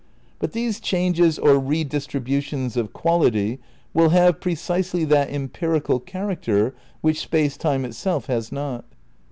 But these changes or redistributions of quality will have pre cisely that empirical character which Space Time itself has not.